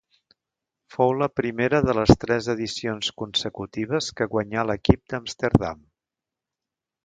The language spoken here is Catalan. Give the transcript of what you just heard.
Fou la primera de les tres edicions consecutives que guanyà l'equip d'Amsterdam.